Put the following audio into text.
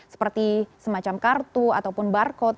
seperti semacam kartu ataupun barcode